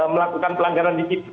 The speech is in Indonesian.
melakukan pelanggaran dikip